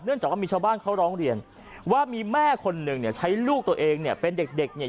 จากว่ามีชาวบ้านเขาร้องเรียนว่ามีแม่คนหนึ่งใช้ลูกตัวเองเนี่ยเป็นเด็กเนี่ย